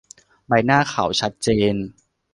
ใบหน้าเขาชัดเจน